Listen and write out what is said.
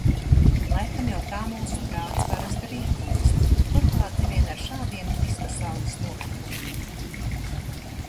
Laikam jau tā mūsu prāts parasti rīkojas, turklāt ne vien ar šādiem vispasaules notikumiem.